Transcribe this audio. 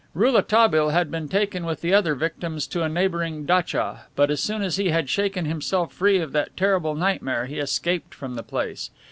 Rouletabille had been taken with the other victims to a neighboring datcha; but as soon as he had shaken himself free of that terrible nightmare he escaped from the place.